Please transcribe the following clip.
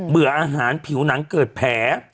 เบื่ออาหารผิวหนังเกิดแผล